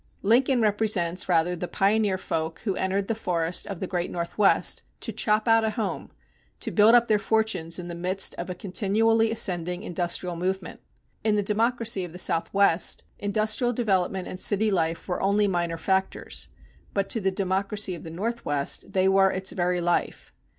Lincoln represents rather the pioneer folk who entered the forest of the great Northwest to chop out a home, to build up their fortunes in the midst of a continually ascending industrial movement. In the democracy of the Southwest, industrial development and city life were only minor factors, but to the democracy of the Northwest they were its very life.